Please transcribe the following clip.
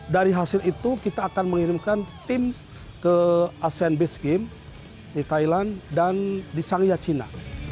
dari hasil itu kita akan mengirimkan tim ke asean base game di thailand dan di shangya cina